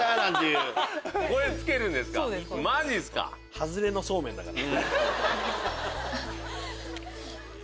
外れのそうめんだから。